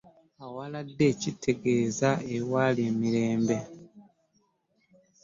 Awaladde kitegeeza ewali emirembe .